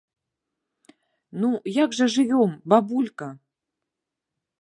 Ну, як жа жывём, бабулька?